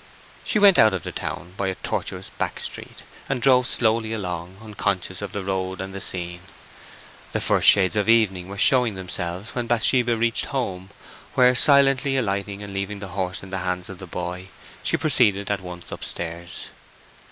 She went out of the town by a tortuous back street, and drove slowly along, unconscious of the road and the scene. The first shades of evening were showing themselves when Bathsheba reached home, where, silently alighting and leaving the horse in the hands of the boy, she proceeded at once upstairs.